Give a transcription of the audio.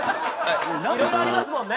いろいろありますもんね。